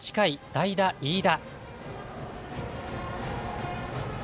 代打・飯田。